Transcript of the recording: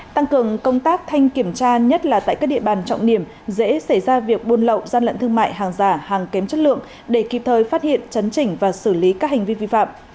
tăng cường công tác thanh kiểm tra nhất là tại các địa bàn trọng điểm dễ xảy ra việc buôn lậu gian lận thương mại hàng giả hàng kém chất lượng để kịp thời phát hiện chấn chỉnh và xử lý các hành vi vi phạm